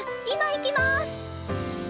今行きます！